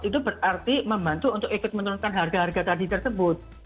itu berarti membantu untuk ikut menurunkan harga harga tadi tersebut